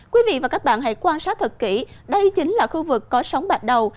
quý vị và các bạn hãy quan sát thật kỹ đây chính là khu vực có sóng bạc đầu